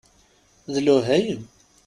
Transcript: D lewhayem!